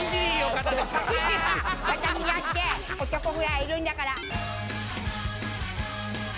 私だって男ぐらいいるんだから。